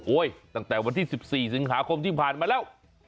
ตั้งแต่วันที่๑๔สิงหาคมที่ผ่านมาแล้ว